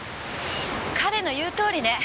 彼の言うとおりね。